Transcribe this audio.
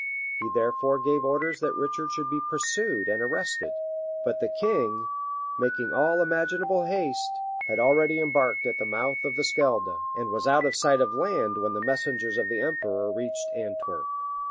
He therefore gave orders that Richard should be pursued and arrested; but the king, making all imaginable haste, had already embarked at the mouth of the Schelde, and was out of sight of land when the messengers of the emperor reached Antwerp.